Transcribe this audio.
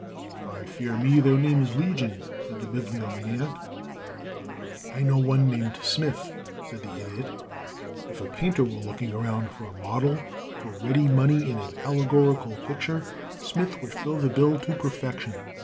"I fear me their name is legion," said the Bibliomaniac. "I know one named Smythe," said the Idiot. "If a painter were looking around for a model for Ready Money in an allegorical picture Smythe would fill the bill to perfection.